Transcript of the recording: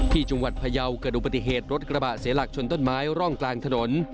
ที่จังหวัดพยาวเกิดอุบัติเหตุรถกระบะเสียหลักชนต้นไม้ร่องกลางถนน